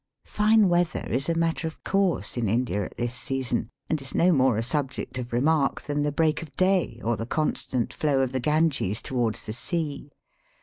Fine weather is a matter of course in India at this season, and is no more a subject of remark than the break of day or the constant flow of the Ganges towards the sea.